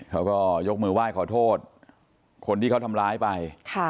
เขาก็ยกมือไหว้ขอโทษคนที่เขาทำร้ายไป